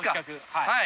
はい。